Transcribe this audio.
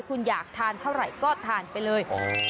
คุณอยากทานเท่าไหร่ก็ทานไปเลย